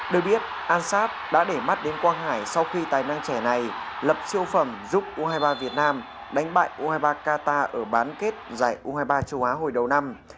được biết an sát đã để mắt đến quang hải sau khi tài năng trẻ này lập siêu phẩm giúp u hai mươi ba việt nam đánh bại u hai mươi ba qatar ở bán kết giải u hai mươi ba châu á hồi đầu năm